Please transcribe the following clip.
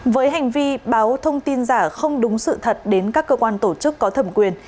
với hành vi báo thông tin giả không đúng sự thật đến các cơ quan tổ chức có thẩm quyền